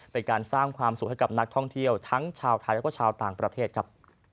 เป็นการสร้างความสุขให้กับนักท่องเที่ยวทั้งชาวไทยแล้วก็ชาวต่างประเทศครับ